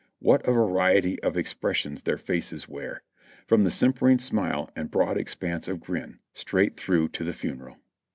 What a variety of expressions their faces wear, from the simpering smile and broad expanse of grin, straight through to the funereal.